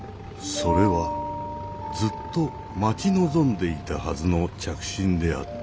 それはずっと待ち望んでいたはずの着信であった。